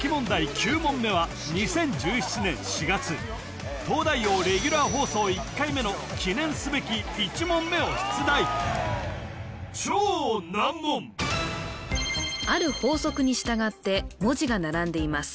９問目は２０１７年４月「東大王」レギュラー放送１回目の記念すべき１問目を出題ある法則に従って文字が並んでいます